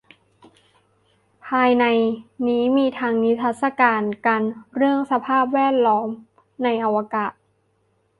ภายในมีทั้งนิทรรศการเรื่องสภาพแวดล้อมในอวกาศ